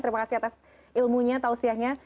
terima kasih atas ilmunya tausiahnya